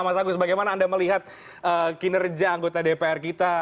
mas agus bagaimana anda melihat kinerja anggota dpr kita